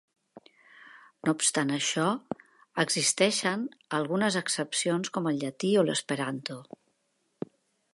No obstant això, existeixen algunes excepcions com el llatí o l'esperanto.